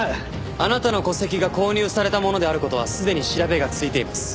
あなたの戸籍が購入されたものである事はすでに調べがついています。